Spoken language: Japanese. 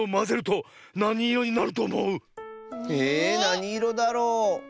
えなにいろだろ？